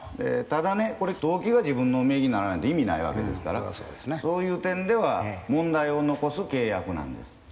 ただね登記が自分の名義にならないと意味ないわけですからそういう点では問題を残す契約なんです。